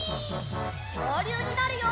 きょうりゅうになるよ！